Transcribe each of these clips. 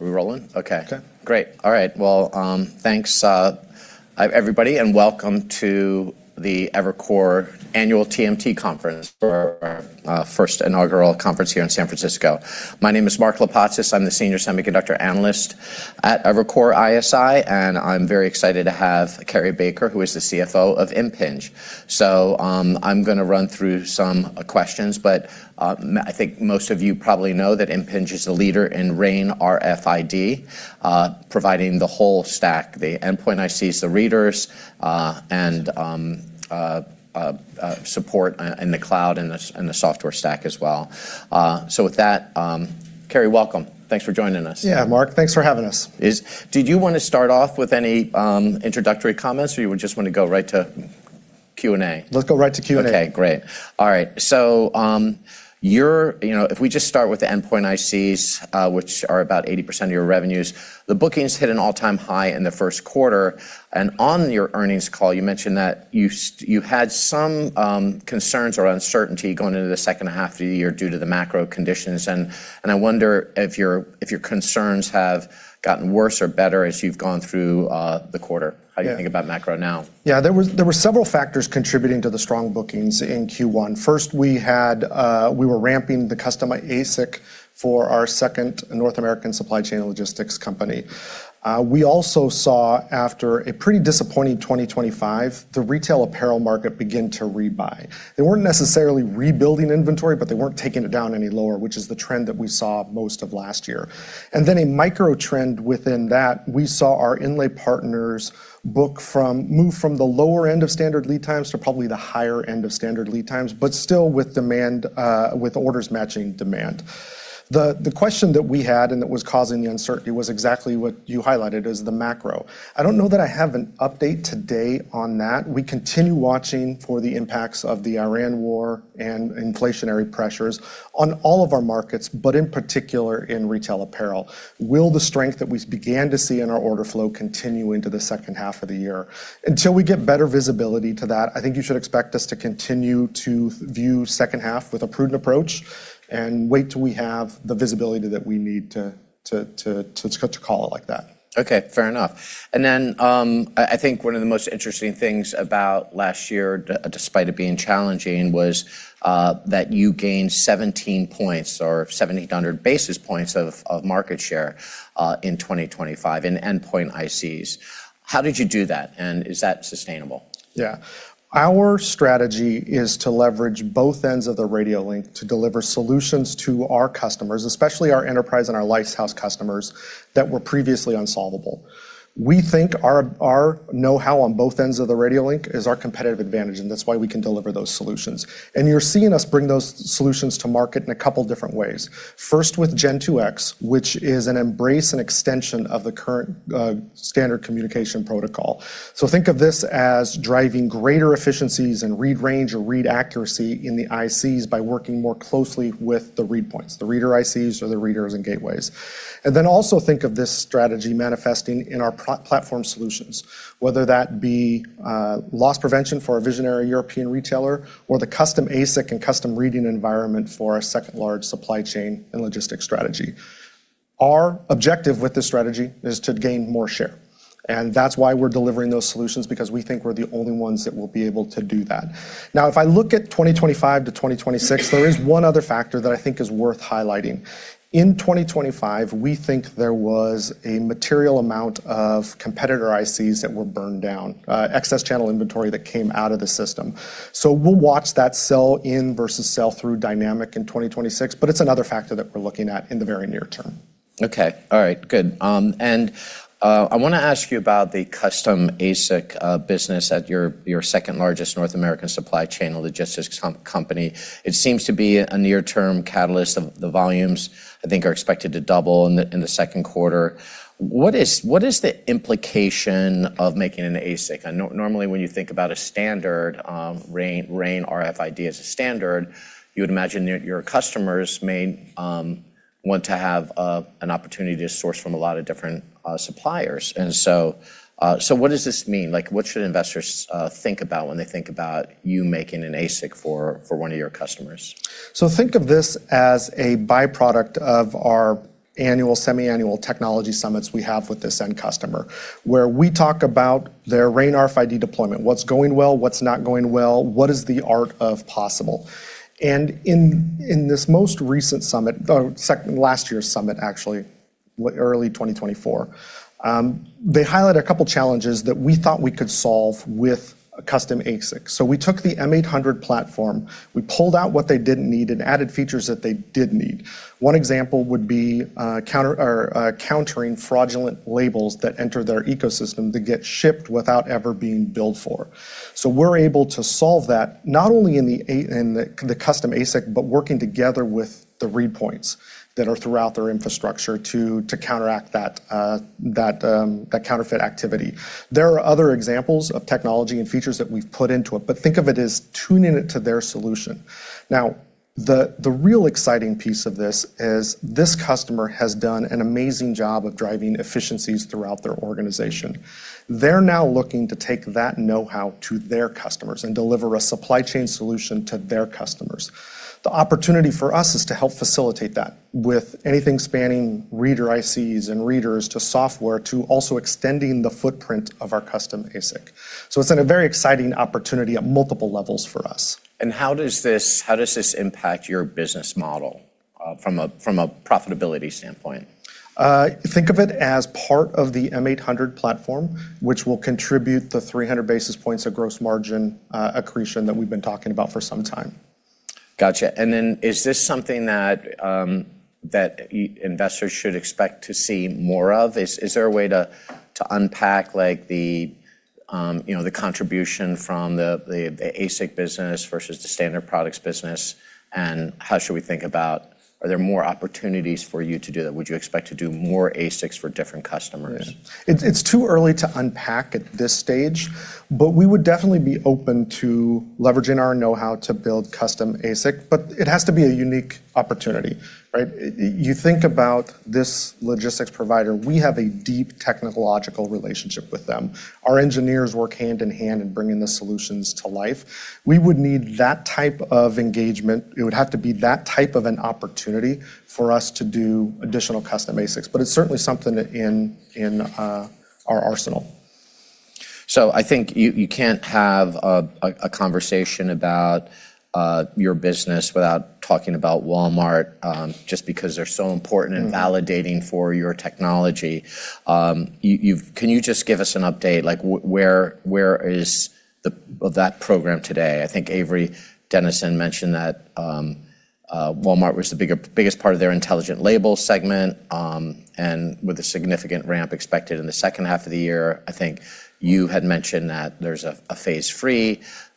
Are we rolling? Okay. Okay. Great. All right. Well, thanks, everybody, and welcome to the Evercore annual TMT Conference. Our first inaugural conference here in San Francisco. My name is Mark Lipacis. I'm the senior semiconductor analyst at Evercore ISI. I'm very excited to have Cary Baker, who is the CFO of Impinj. I'm going to run through some questions, but I think most of you probably know that Impinj is a leader in RAIN RFID, providing the whole stack, the endpoint ICs, the readers, and support in the cloud and the software stack as well. With that, Cary, welcome. Thanks for joining us. Yeah, Mark, thanks for having us. Did you want to start off with any introductory comments or you just want to go right to Q&A? Let's go right to Q&A. Okay, great. All right. If we just start with the endpoint ICs, which are about 80% of your revenues, the bookings hit an all-time high in the first quarter. On your earnings call, you mentioned that you had some concerns or uncertainty going into the second half of the year due to the macro conditions, and I wonder if your concerns have gotten worse or better as you've gone through the quarter. Yeah. How do you think about macro now? Yeah. There were several factors contributing to the strong bookings in Q1. First, we were ramping the customer ASIC for our second North American supply chain logistics company. We also saw, after a pretty disappointing 2025, the retail apparel market begin to rebuy. They weren't necessarily rebuilding inventory, but they weren't taking it down any lower, which is the trend that we saw most of last year. A micro trend within that, we saw our inlay partners move from the lower end of standard lead times to probably the higher end of standard lead times, but still with orders matching demand. The question that we had and that was causing the uncertainty was exactly what you highlighted as the macro. I don't know that I have an update today on that. We continue watching for the impacts of the tariff war and inflationary pressures on all of our markets, but in particular in retail apparel. Will the strength that we began to see in our order flow continue into the second half of the year? Until we get better visibility to that, I think you should expect us to continue to view second half with a prudent approach and wait till we have the visibility that we need to call it like that. Okay, fair enough. I think one of the most interesting things about last year, despite it being challenging, was that you gained 17 points or 1,700 basis points of market share in 2025 in endpoint ICs. How did you do that, and is that sustainable? Our strategy is to leverage both ends of the radio link to deliver solutions to our customers, especially our enterprise and our lighthouse customers that were previously unsolvable. We think our knowhow on both ends of the radio link is our competitive advantage, and that's why we can deliver those solutions. You're seeing us bring those solutions to market in a couple different ways. First, with Gen2X, which is an embrace and extension of the current standard communication protocol. Think of this as driving greater efficiencies and read range or read accuracy in the ICs by working more closely with the read points, the reader ICs or the readers and gateways. Also think of this strategy manifesting in our platform solutions, whether that be loss prevention for a visionary European retailer or the custom ASIC and custom reading environment for our second-largest supply chain and logistics strategy. Our objective with this strategy is to gain more share, and that's why we're delivering those solutions, because we think we're the only ones that will be able to do that. If I look at 2025 to 2026, there is one other factor that I think is worth highlighting. In 2025, we think there was a material amount of competitor ICs that were burned down. Excess channel inventory that came out of the system. We'll watch that sell in versus sell through dynamic in 2026, but it's another factor that we're looking at in the very near term. Okay. All right, good. I want to ask you about the custom ASIC business at your second-largest North American supply chain logistics company. It seems to be a near-term catalyst of the volumes, I think, are expected to double in the second quarter. What is the implication of making an ASIC? Normally, when you think about a standard RAIN RFID as a standard, you would imagine that your customers may want to have an opportunity to source from a lot of different suppliers. What does this mean? What should investors think about when they think about you making an ASIC for one of your customers? Think of this as a byproduct of our annual, semi-annual technology summits we have with this end customer, where we talk about their RAIN RFID deployment, what's going well, what's not going well, what is the art of possible. In this most recent summit, last year's summit, actually, early 2024, they highlighted a couple challenges that we thought we could solve with a custom ASIC. We took the M800 platform. We pulled out what they didn't need and added features that they did need. One example would be countering fraudulent labels that enter their ecosystem that get shipped without ever being billed for. We're able to solve that, not only in the custom ASIC, but working together with the read points that are throughout their infrastructure to counteract that counterfeit activity. There are other examples of technology and features that we've put into it, but think of it as tuning it to their solution. Now the real exciting piece of this is this customer has done an amazing job of driving efficiencies throughout their organization. They're now looking to take that knowhow to their customers and deliver a supply chain solution to their customers. The opportunity for us is to help facilitate that with anything spanning reader ICs and readers, to software, to also extending the footprint of our custom ASIC. It's been a very exciting opportunity at multiple levels for us. How does this impact your business model from a profitability standpoint? Think of it as part of the M800 platform, which will contribute the 300 basis points of gross margin accretion that we've been talking about for some time. Got you. Is this something that investors should expect to see more of? Is there a way to unpack the contribution from the ASIC business versus the standard products business? Are there more opportunities for you to do that? Would you expect to do more ASICs for different customers? It's too early to unpack at this stage. We would definitely be open to leveraging our knowhow to build custom ASIC. It has to be a unique opportunity, right? You think about this logistics provider, we have a deep technological relationship with them. Our engineers work hand-in-hand in bringing the solutions to life. We would need that type of engagement. It would have to be that type of an opportunity for us to do additional custom ASICs, but it's certainly something in our arsenal. I think you can't have a conversation about your business without talking about Walmart, just because they're so important in validating for your technology. Can you just give us an update, like where is that program today? I think Avery Dennison mentioned that Walmart was the biggest part of their intelligent label segment, and with a significant ramp expected in the second half of the year. I think you had mentioned that there's a phase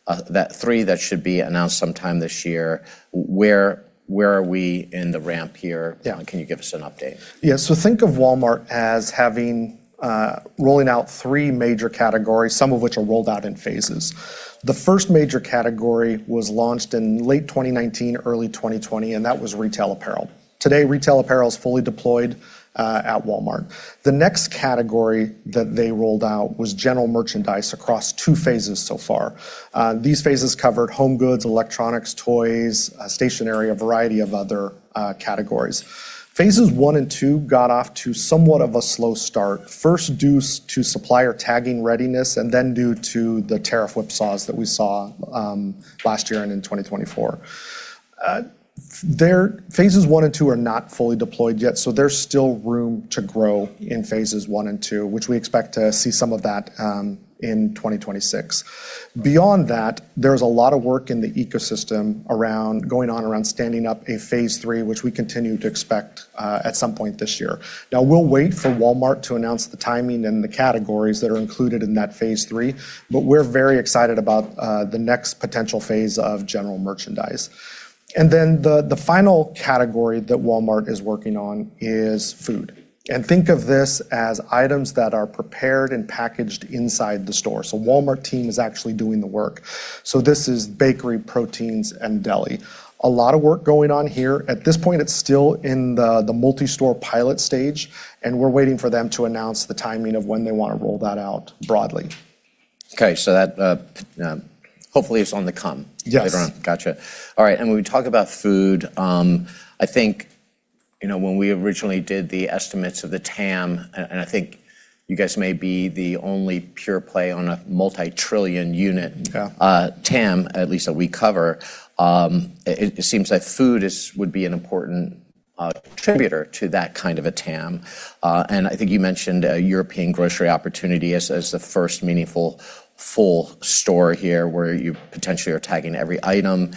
III that should be announced sometime this year. Where are we in the ramp here? Yeah. Can you give us an update? Yeah. think of Walmart as rolling out three major categories, some of which are rolled out in phases. The first major category was launched in late 2019, early 2020, and that was retail apparel. Today, retail apparel is fully deployed at Walmart. The next category that they rolled out was general merchandise across two phases so far. These phases covered home goods, electronics, toys, stationery, a variety of other categories. Phases one and two got off to somewhat of a slow start, first due to supplier tagging readiness, and then due to the tariff whipsaws that we saw last year and in 2024. Phases one and two are not fully deployed yet, so there's still room to grow in phases one and two, which we expect to see some of that in 2026. Beyond that, there's a lot of work in the ecosystem going on around standing up a phase 3, which we continue to expect at some point this year. Now, we'll wait for Walmart to announce the timing and the categories that are included in that phase III, but we're very excited about the next potential phase of general merchandise. The final category that Walmart is working on is food. Think of this as items that are prepared and packaged inside the store. Walmart team is actually doing the work. This is bakery, proteins, and deli. A lot of work going on here. At this point, it's still in the multi-store pilot stage, and we're waiting for them to announce the timing of when they want to roll that out broadly. Okay. that, hopefully it's on the come- Yes later on. Got you. All right. when we talk about food, I think when we originally did the estimates of the TAM, and I think you guys may be the only pure play on a multi-trillion unit- Yeah TAM, at least that we cover. It seems like food would be an important contributor to that kind of a TAM. I think you mentioned a European grocery opportunity as the first meaningful full store here, where you potentially are tagging every item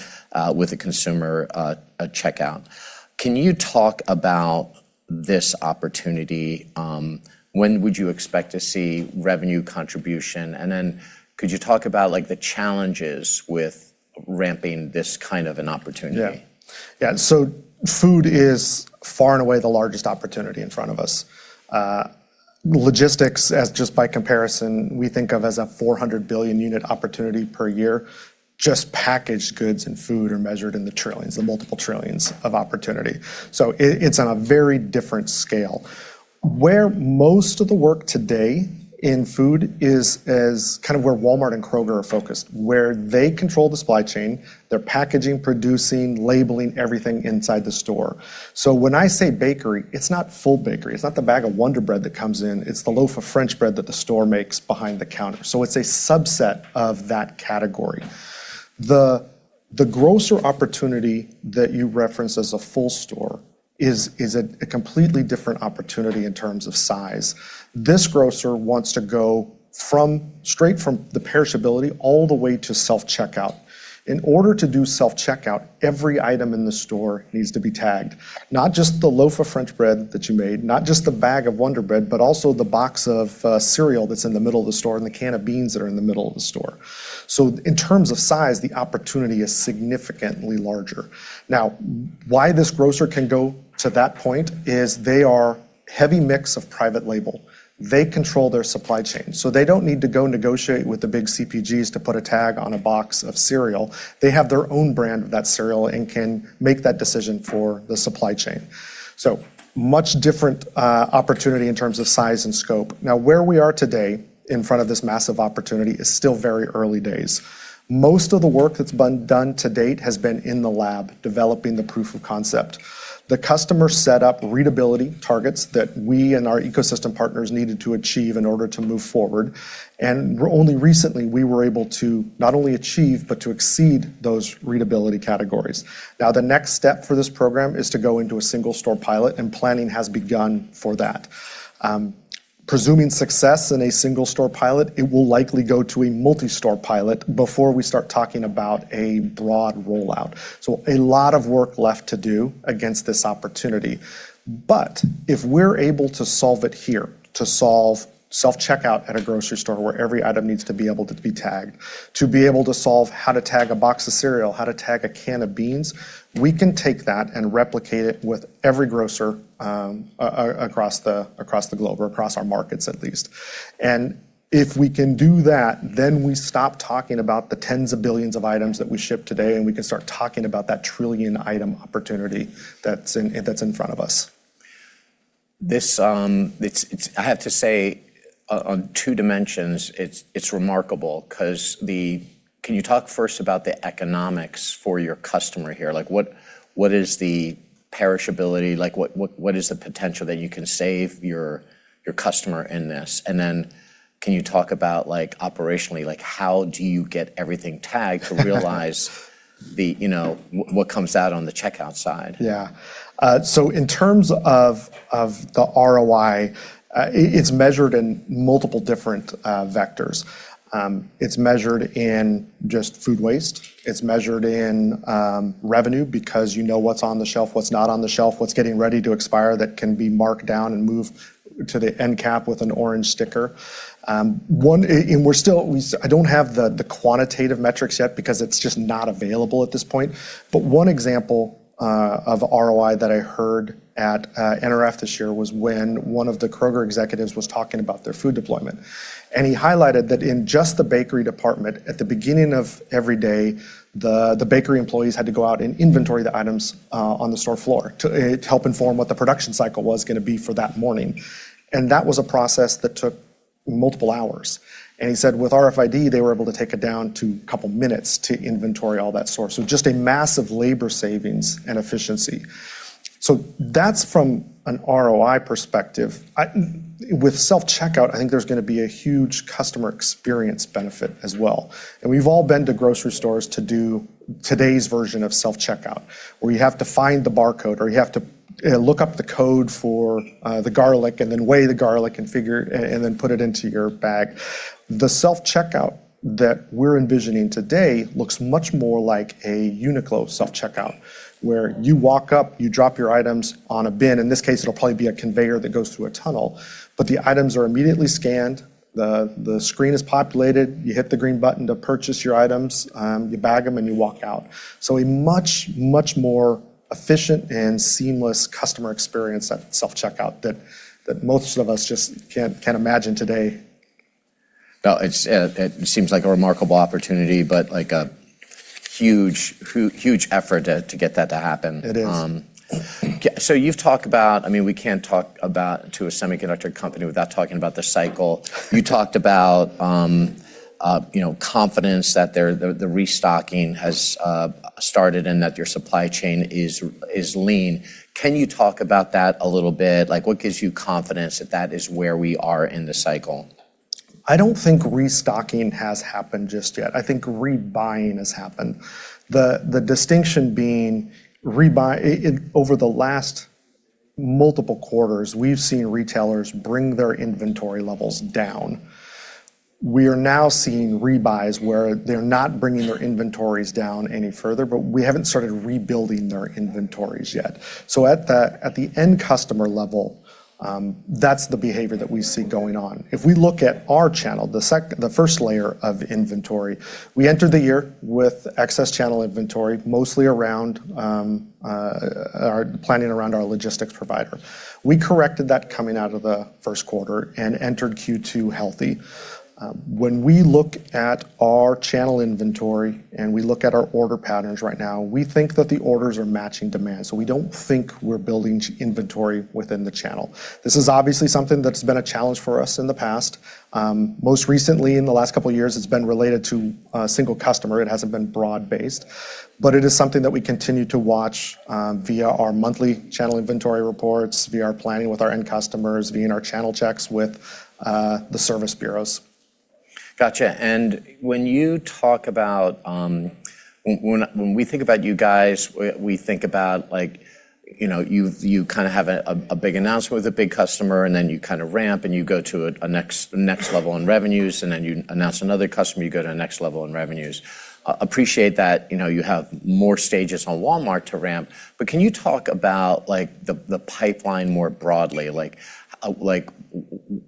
with a consumer at checkout. Can you talk about this opportunity? When would you expect to see revenue contribution? Could you talk about the challenges with ramping this kind of an opportunity? Yeah. Food is far and away the largest opportunity in front of us. Logistics, as just by comparison, we think of as a 400 billion unit opportunity per year. Just packaged goods and food are measured in the trillions, the multiple trillions of opportunity. It's on a very different scale. Where most of the work today in food is kind of where Walmart and Kroger are focused. Where they control the supply chain, they're packaging, producing, labeling everything inside the store. When I say bakery, it's not full bakery. It's not the bag of Wonder Bread that comes in, it's the loaf of French bread that the store makes behind the counter. It's a subset of that category. The grocer opportunity that you referenced as a full store is a completely different opportunity in terms of size. This grocer wants to go straight from the perishability all the way to self-checkout. In order to do self-checkout, every item in the store needs to be tagged. Not just the loaf of French bread that you made, not just the bag of Wonder Bread, but also the box of cereal that's in the middle of the store, and the can of beans that are in the middle of the store. In terms of size, the opportunity is significantly larger. Now, why this grocer can go to that point is they are heavy mix of private label. They control their supply chain, so they don't need to go negotiate with the big CPGs to put a tag on a box of cereal. They have their own brand of that cereal and can make that decision for the supply chain. Much different opportunity in terms of size and scope. Now, where we are today in front of this massive opportunity is still very early days. Most of the work that's been done to date has been in the lab, developing the proof of concept. The customer set up readability targets that we and our ecosystem partners needed to achieve in order to move forward. Only recently, we were able to not only achieve but to exceed those readability categories. Now, the next step for this program is to go into a single store pilot, and planning has begun for that. Presuming success in a single store pilot, it will likely go to a multi-store pilot before we start talking about a broad rollout. A lot of work left to do against this opportunity. If we're able to solve it here, to solve self-checkout at a grocery store where every item needs to be able to be tagged, to be able to solve how to tag a box of cereal, how to tag a can of beans, we can take that and replicate it with every grocer across the globe or across our markets at least. If we can do that, then we stop talking about the tens of billions of items that we ship today, and we can start talking about that trillion item opportunity that's in front of us. I have to say, on two dimensions it's remarkable. Can you talk first about the economics for your customer here? What is the perishability? What is the potential that you can save your customer in this? Can you talk about operationally, how do you get everything tagged to realize what comes out on the checkout side? Yeah. In terms of the ROI, it's measured in multiple different vectors. It's measured in just food waste. It's measured in revenue because you know what's on the shelf, what's not on the shelf, what's getting ready to expire that can be marked down and moved to the end cap with an orange sticker. I don't have the quantitative metrics yet because it's just not available at this point. One example of ROI that I heard at NRF this year was when one of the Kroger executives was talking about their food deployment, and he highlighted that in just the bakery department, at the beginning of every day, the bakery employees had to go out and inventory the items on the store floor to help inform what the production cycle was going to be for that morning, and that was a process that took multiple hours. He said with RFID, they were able to take it down to a couple of minutes to inventory all that store. Just a massive labor savings and efficiency. That's from an ROI perspective. With self-checkout, I think there's going to be a huge customer experience benefit as well. We've all been to grocery stores to do today's version of self-checkout, where you have to find the barcode, or you have to look up the code for the garlic and then weigh the garlic and then put it into your bag. The self-checkout that we're envisioning today looks much more like a Uniqlo self-checkout, where you walk up, you drop your items on a bin. In this case, it'll probably be a conveyor that goes through a tunnel, but the items are immediately scanned. The screen is populated. You hit the green button to purchase your items, you bag them, and you walk out. A much more efficient and seamless customer experience at self-checkout that most of us just can't imagine today. No, it seems like a remarkable opportunity, but a huge effort to get that to happen. It is. You've talked about, we can't talk about to a semiconductor company without talking about the cycle. You talked about confidence that the restocking has started and that your supply chain is lean. Can you talk about that a little bit? What gives you confidence that is where we are in the cycle? I don't think restocking has happened just yet. I think rebuying has happened. The distinction being over the last multiple quarters, we've seen retailers bring their inventory levels down. We are now seeing rebuy where they're not bringing their inventories down any further, but we haven't started rebuilding their inventories yet. At the end customer level, that's the behavior that we see going on. If we look at our channel, the first layer of inventory, we entered the year with excess channel inventory mostly planning around our logistics provider. We corrected that coming out of the first quarter and entered Q2 healthy. When we look at our channel inventory and we look at our order patterns right now, we think that the orders are matching demand. We don't think we're building inventory within the channel. This is obviously something that's been a challenge for us in the past. Most recently, in the last couple of years, it's been related to a single customer. It hasn't been broad-based. It is something that we continue to watch via our monthly channel inventory reports, via our planning with our end customers, via our channel checks with the service bureaus. Gotcha. When we think about you guys, we think about you have a big announcement with a big customer, and then you ramp and you go to a next level in revenues, and then you announce another customer, you go to the next level in revenues. Appreciate that you have more stages on Walmart to ramp, but can you talk about the pipeline more broadly?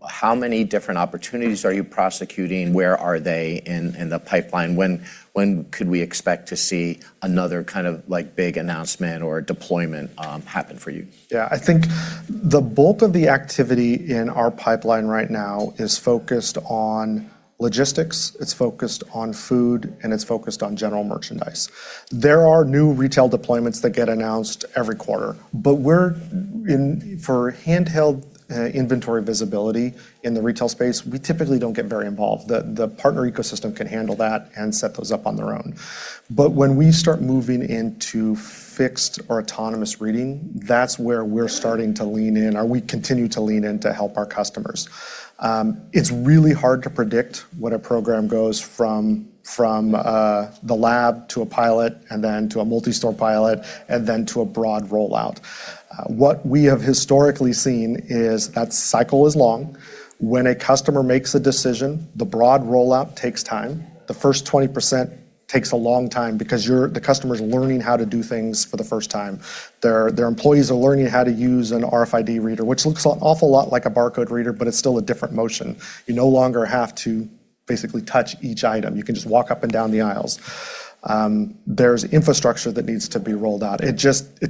How many different opportunities are you prosecuting? Where are they in the pipeline? When could we expect to see another kind of big announcement or deployment happen for you? Yeah. I think the bulk of the activity in our pipeline right now is focused on logistics, it's focused on food, and it's focused on general merchandise. There are new retail deployments that get announced every quarter. For handheld inventory visibility in the retail space, we typically don't get very involved. The partner ecosystem can handle that and set those up on their own. When we start moving into fixed or autonomous reading, that's where we're starting to lean in, or we continue to lean in to help our customers. It's really hard to predict what a program goes from the lab to a pilot and then to a multi-store pilot and then to a broad rollout. What we have historically seen is that cycle is long. When a customer makes a decision, the broad rollout takes time. The first 20% takes a long time because the customer's learning how to do things for the first time. Their employees are learning how to use an RFID reader, which looks an awful lot like a barcode reader, but it's still a different motion. You no longer have to basically touch each item. You can just walk up and down the aisles. There's infrastructure that needs to be rolled out. It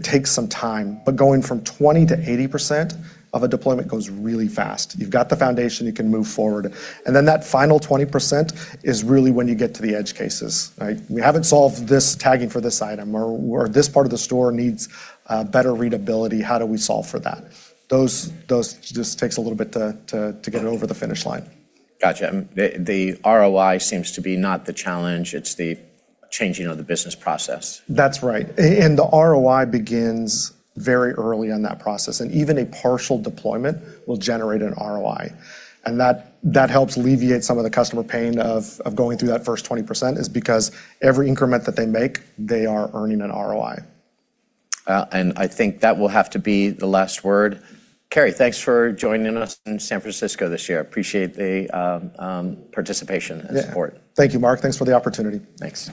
takes some time. Going from 20%-80% of a deployment goes really fast. You've got the foundation, you can move forward. That final 20% is really when you get to the edge cases, right? We haven't solved this tagging for this item or this part of the store needs better readability. How do we solve for that? Those just takes a little bit to get it over the finish line. Got you. The ROI seems to be not the challenge, it's the changing of the business process. That's right. The ROI begins very early in that process, and even a partial deployment will generate an ROI. That helps alleviate some of the customer pain of going through that first 20% is because every increment that they make, they are earning an ROI. I think that will have to be the last word. Cary, thanks for joining us in San Francisco this year. Appreciate the participation and support. Yeah. Thank you, Mark. Thanks for the opportunity. Thanks.